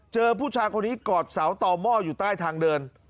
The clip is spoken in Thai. เจอผู้ชายคนนี้กอดเสาต่อหม้ออยู่ใต้ทางเดิน